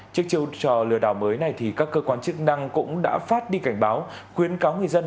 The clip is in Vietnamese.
trước chiều trò lừa đảo mới này thì các cơ quan chức năng cũng đã phát đi cảnh báo khuyến cáo người dân